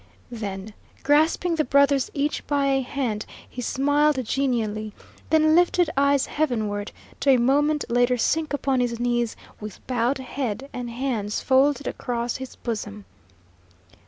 Then, grasping the brothers each by a hand, he smiled genially, then lifted eyes heavenward, to a moment later sink upon his knees with bowed head and hands folded across his bosom.